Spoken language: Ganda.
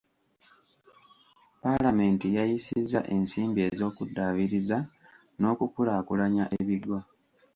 Paalamenti yayisizza ensimbi ez’okuddaabiriza n’okukulaakulanya ebigo.